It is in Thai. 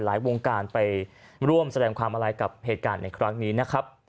วงการไปร่วมแสดงความอะไรกับเหตุการณ์ในครั้งนี้นะครับ